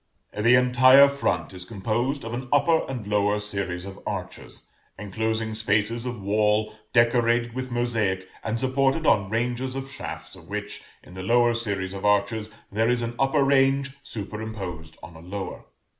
The entire front is composed of an upper and lower series of arches, enclosing spaces of wall decorated with mosaic, and supported on ranges of shafts of which, in the lower series of arches, there is an upper range superimposed on a lower.